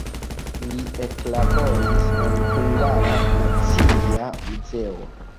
Li eklaboris en Hungara Nacia Muzeo.